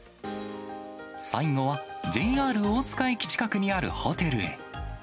最後は、ＪＲ大塚駅近くにあるホテルへ。